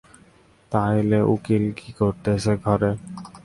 তাইলে উকিল কি, করতেছে ঘরে?